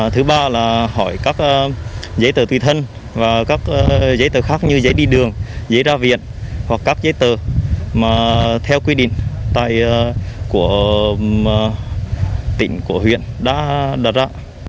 thứ ba là hỏi các giấy tờ tùy thân và các giấy tờ khác như giấy đi đường giấy ra viện hoặc các giấy tờ mà theo quy định của tỉnh của huyện đã đặt ra